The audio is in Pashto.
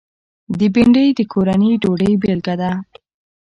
بېنډۍ د کورني ډوډۍ بېلګه ده